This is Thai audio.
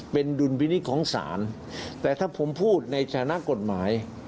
เป็นดุลพินิษฐ์ของศาลแต่ถ้าผมพูดในฐานะกฎหมาย